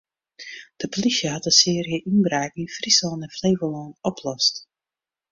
De polysje hat in searje ynbraken yn Fryslân en Flevolân oplost.